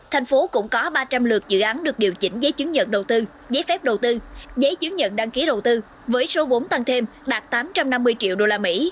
thành phố cũng có ba trăm linh lượt dự án được điều chỉnh giấy chứng nhận đầu tư giấy phép đầu tư giấy chứng nhận đăng ký đầu tư với số vốn tăng thêm đạt tám trăm năm mươi triệu đô la mỹ